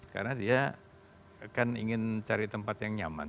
karena dia akan ingin cari tempat yang nyaman